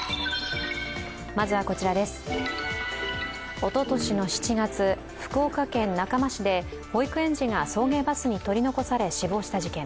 おととしの７月、福岡県中間市で保育園児が送迎バスに取り残され死亡した事件。